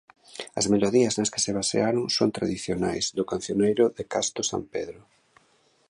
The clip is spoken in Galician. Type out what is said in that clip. As melodías nas que se basearon son tradicionais, do Cancioneiro de Casto Sampedro.